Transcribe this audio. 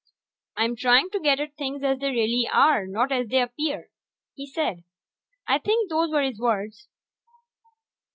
"I'm trying to get at things as they really are, not as they appear," he said. I think those were his words.